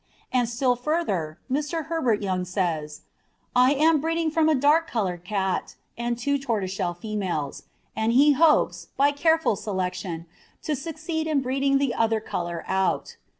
And still further, Mr. Herbert Young says, "I am breeding from a dark colour cat and two tortoiseshell females," and he hopes, by careful selection, to succeed in "breeding the other colour out."